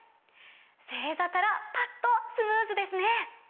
正座からパッとスムーズですね！